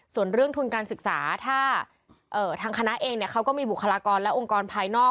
ส่วนเรื่องทุนการศึกษาถ้าทางคณะเองเขาก็มีบุคลากรและองค์กรภายนอก